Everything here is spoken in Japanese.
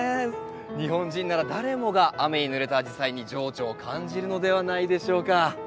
日本人なら誰もが雨にぬれたアジサイに情緒を感じるのではないでしょうか。